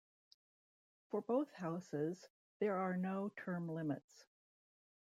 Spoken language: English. For both houses, there are no term limits.